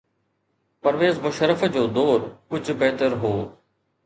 پرويز مشرف جو دور ڪجهه بهتر هو.